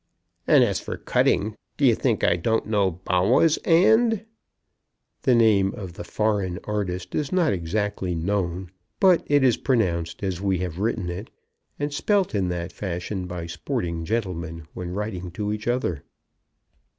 And as for cutting, d'you think I don't know Bawwah's 'and!" The name of the foreign artist is not exactly known; but it is pronounced as we have written it, and spelt in that fashion by sporting gentlemen when writing to each other.